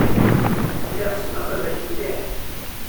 Lliɣ ssneɣ baba-k mliḥ.